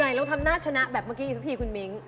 อ้าวแล้ว๓อย่างนี้แบบไหนราคาถูกที่สุด